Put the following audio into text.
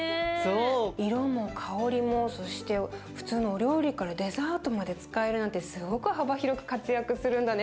色も香りもそして普通のお料理からデザートまで使えるなんてすごく幅広く活躍するんだね